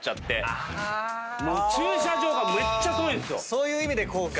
そういう意味で後悔。